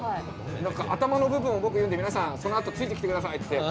「頭の部分を僕言うんで皆さんそのあとついてきて下さい」って言って。